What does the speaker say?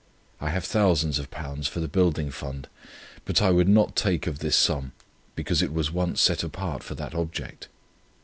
I have thousands of pounds for the Building Fund; but I would not take of this sum because it was once set apart for that object.